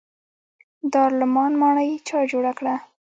دارالامان ماڼۍ چا جوړه کړه؟